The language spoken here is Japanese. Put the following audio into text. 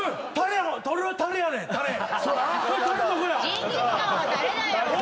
ジンギスカンはタレだよ。